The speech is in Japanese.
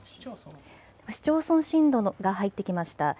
市町村震度が入ってきました。